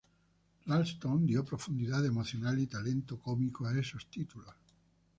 Ralston dio profundidad emocional y talento cómico a esos títulos.